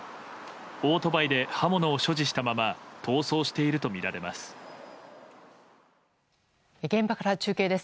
オートバイで刃物を所持したまま逃走しているとみられます。